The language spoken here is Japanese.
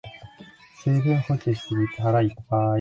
水分補給しすぎて腹いっぱい